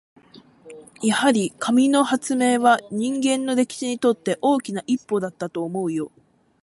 やっぱり、紙の発明は人類の歴史にとって大きな一歩だったと思うよ。